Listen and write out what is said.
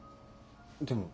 でも。